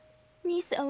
兄さん？